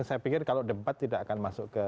saya pikir kalau debat tidak akan masuk ke